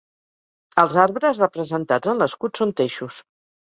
Els arbres representats en l'escut són teixos.